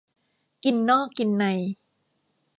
กินนอกกินใน